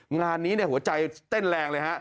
งานนี้หัวใจเต้นแรงเลยฮะ